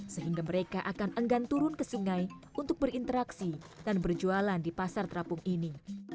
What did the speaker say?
sehingga mereka akan enggan turun ke sungai untuk berinteraksi dan berjualan di pasar terapung ini